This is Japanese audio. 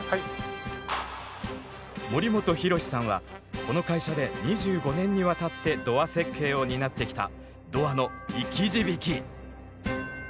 森本弘志さんはこの会社で２５年にわたってドア設計を担ってきたドアの生き字引。